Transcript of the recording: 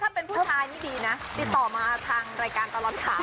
ถ้าเป็นผู้ชายนี่ดีนะติดต่อมาทางรายการตลอดข่าว